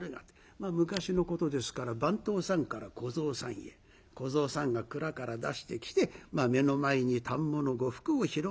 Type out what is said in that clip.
まあ昔のことですから番頭さんから小僧さんへ小僧さんが蔵から出してきて目の前に反物呉服を広げる。